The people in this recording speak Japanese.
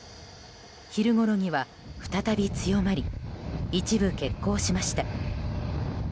昼ごろには再び強まり一部、欠航しました。